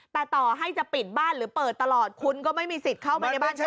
แต่ต่อให้จะปิดบ้านหรือเปิดตลอดคุณก็ไม่มีสิทธิ์เข้าไปในบ้านฉัน